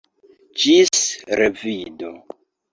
Ĝis revido!